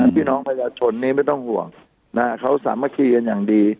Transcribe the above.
พี่น้องเมื่อชนเนี่ยไม่ต้องห่วงทีน้องมีความสัมภาษณ์คียังอย่างดี